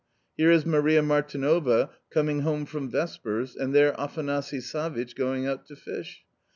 Here is Maria Martinova coming home from vespers, and there Afanasy Savitch going out to fish.